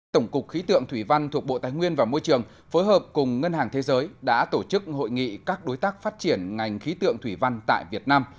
tổng cục khí tượng thủy văn thuộc bộ tài nguyên và môi trường phối hợp cùng ngân hàng thế giới đã tổ chức hội nghị các đối tác phát triển ngành khí tượng thủy văn tại việt nam